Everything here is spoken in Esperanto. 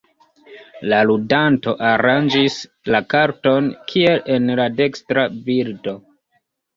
La ludanto aranĝis la karton kiel en la dekstra bildo.